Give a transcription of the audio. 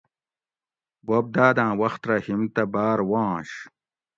بوب داۤد آۤں وخت رہ ہیم تہ باۤر وانش